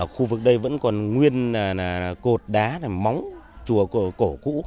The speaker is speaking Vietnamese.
khu vực đây vẫn còn nguyên là cột đá móng chùa cổ cũ